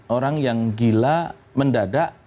orang yang gila mendadak